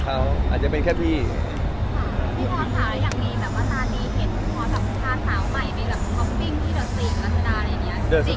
พี่พอร์ตทานสาวใหม่พี่พอร์ตทานสาวใหม่